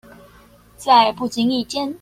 在不經意間